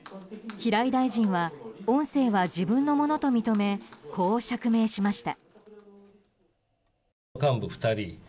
平井大臣は音声は自分のものと認め、こう釈明しました。